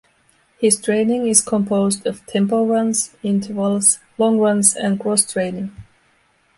His training is composed of tempo runs, intervals, long runs and cross-training.